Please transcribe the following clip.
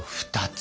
２つ？